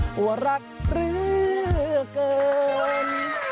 หัวลักษณ์เรือเกิน